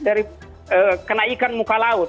dari kenaikan muka laut